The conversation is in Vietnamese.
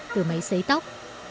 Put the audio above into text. từ máy sấy tóc